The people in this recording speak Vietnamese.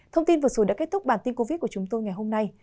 thông tin vừa rồi đã kết thúc bản tin covid của chúng tôi ngày hôm nay